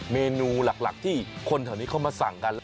เมนูหลักที่คนแถวนี้เขามาสั่งกัน